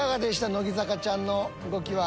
乃木坂ちゃんの動きは。